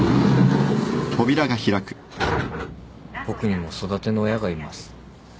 僕にも育ての親がいます。